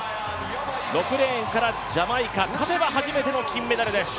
６レーンからジャマイカ、勝てば初めての金メダルです。